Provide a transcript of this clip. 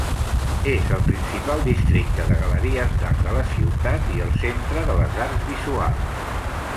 És el principal districte de galeries d'art de la ciutat i el centre de les arts visuals.